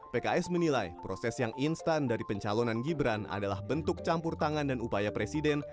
pks menilai proses yang instan dari pencalonan gibran adalah bentuk campur tangan dan upaya presiden